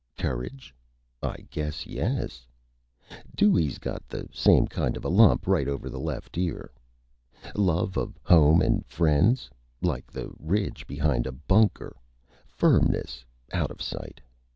Courage? I guess yes! Dewey's got the same kind of a Lump right over the Left Ear. Love of Home and Friends like the ridge behind a Bunker! Firmness out of sight!